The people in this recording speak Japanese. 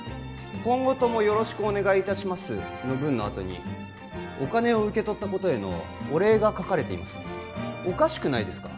「今後とも宜しくお願い致します」の文のあとにお金を受け取ったことへのお礼が書かれていますおかしくないですか？